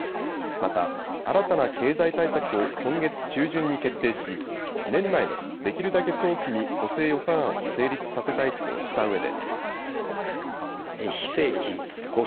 また、新たな経済対策を今月中旬に決定し、年内のできるだけ早期に補正予算案を成立させたいとしたうえで。